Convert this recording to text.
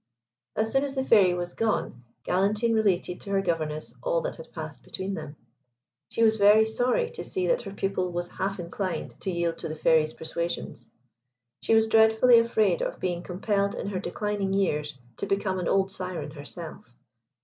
As soon as the Fairy was gone, Galantine related to her governess all that had passed between them. She was very sorry to see that her pupil was half inclined to yield to the Fairy's persuasions. She was dreadfully afraid of being compelled in her declining years to become an old Syren herself.